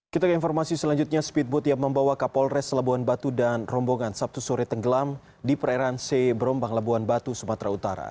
kita ke informasi selanjutnya speedboat yang membawa kapolres labuan batu dan rombongan sabtu sore tenggelam di perairan c berombang labuan batu sumatera utara